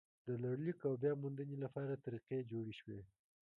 د لړلیک او بیا موندنې لپاره طریقې جوړې شوې.